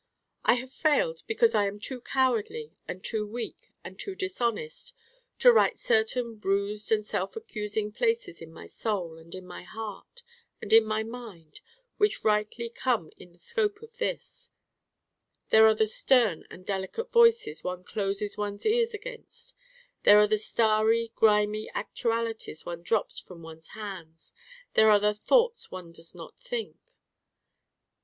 I have Failed because I am too cowardly and too weak and too dishonest to write certain bruised and self accusing places in my Soul and in my Heart and in my Mind which rightly come in the scope of this: there are the Stern and Delicate Voices one closes one's ears against: there are the starry grimy Actualities one drops from one's hands: there are the Thoughts one Does Not Think.